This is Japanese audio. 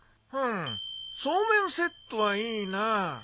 ふんそうめんセットはいいなあ。